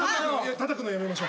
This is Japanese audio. たたくのやめましょ。